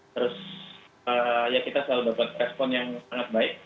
terus ya kita selalu dapat respon yang sangat baik